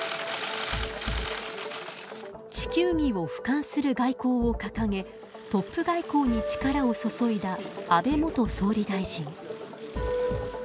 地球儀をふかんする外交を掲げトップ外交に力を注いだ安倍元総理大臣。